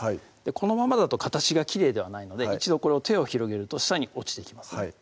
このままだと形がきれいではないので一度これを手を広げると下に落ちていきます